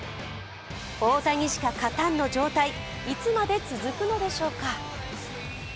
大谷しか勝たんの状態、いつまで続くのでしょうか。